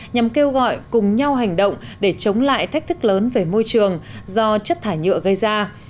nhằm kêu gọi cùng nhau hành động để chống lại thách thức lớn về môi trường do chất thải nhựa gây ra